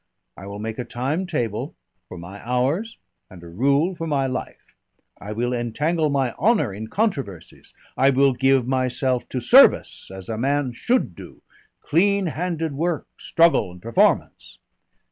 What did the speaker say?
I will make a time table for my hours and a rule for my life, I will entangle my honour in controversies, I will give myself to service, as a man should do. Clean handed work, struggle, and performance."